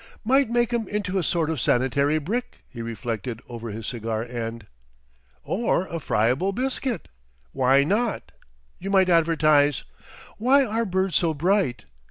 "Might make 'em into a sort of sanitary brick," he reflected over his cigar end. "Or a friable biscuit. Why not? You might advertise: 'Why are Birds so Bright?